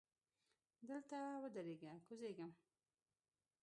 دلته ودریږه! کوزیږم.